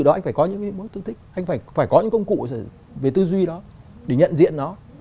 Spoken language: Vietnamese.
đó anh phải có những mối tư thích anh phải có những công cụ về tư duy đó để nhận diện nó